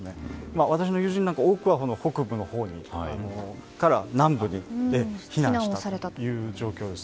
私の友人は多くは北部から南部へ避難したという状況です。